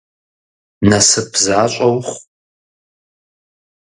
Насып защӏэ ухъу!